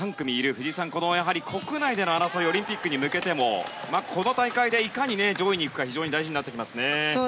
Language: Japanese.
藤井さん、国内での争いオリンピックに向けてもこの大会でいかに上位に行くかが非常に大事になりますね。